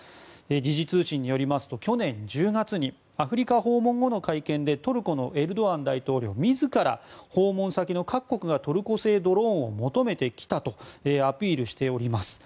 事実牛院によりますと去年１０月にアフリカ訪問後の会見でトルコのエルドアン大統領自ら訪問先の各国がトルコ製ドローンを求めてきたとアピールしています。